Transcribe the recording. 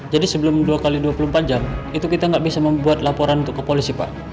jadi sebelum dua x dua puluh empat jam itu kita gak bisa membuat laporan ke polisi pak